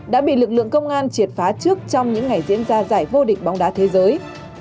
đã bị lực lượng công an triệt phá trước trong những ngày diễn ra giải vô địch bóng đá thế giới